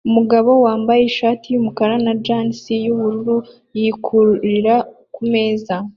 Umugabo wambaye ishati yumukara na jans yubururu yikururira kumeza